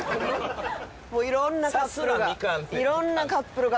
もういろんなカップルが。